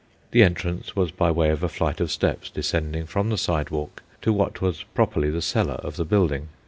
The entrance was by way of a flight of steps descending from the sidewalk to what was properly the cellar of the building.